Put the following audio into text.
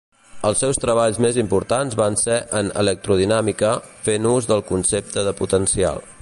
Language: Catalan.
Els seus treballs més importants van ser en electrodinàmica, fent ús del concepte de potencial.